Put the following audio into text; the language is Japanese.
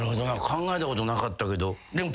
考えたことなかったけど。